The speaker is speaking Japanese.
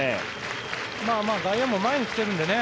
外野も前に来てるんでね